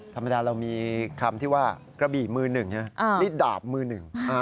ธรรมดาเรามีคำที่ว่ากระบี่มือหนึ่งใช่ไหมนี่ดาบมือหนึ่ง